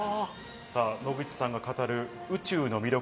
野口さんが語る宇宙の魅力。